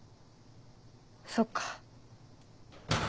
そっか。